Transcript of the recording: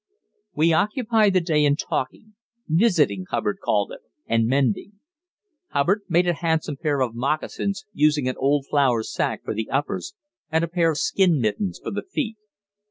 We occupied the day in talking visiting, Hubbard called it and mending. Hubbard made a handsome pair of moccasins, using an old flour sack for the uppers and a pair of skin mittens for the feet.